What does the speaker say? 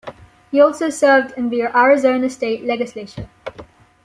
He also served in the Arizona State Legislature.